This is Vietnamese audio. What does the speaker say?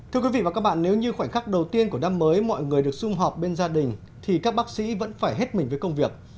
thưa quý vị và các bạn nếu như khoảnh khắc đầu tiên của năm mới mọi người được xung họp bên gia đình thì các bác sĩ vẫn phải hết mình với công việc